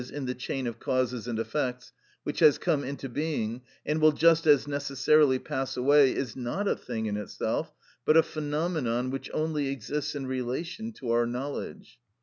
_, in the chain of causes and effects), which has come into being, and will just as necessarily pass away, is not a thing in itself, but a phenomenon which only exists in relation to our knowledge.